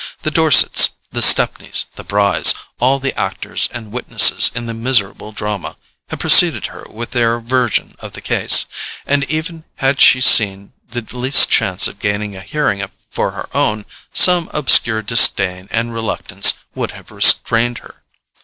The Dorsets, the Stepneys, the Brys—all the actors and witnesses in the miserable drama—had preceded her with their version of the case; and, even had she seen the least chance of gaining a hearing for her own, some obscure disdain and reluctance would have restrained her.